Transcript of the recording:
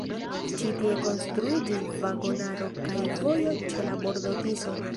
Ĉi tie konstruiĝis vagonaro kaj vojo ĉe la bordo Tiso.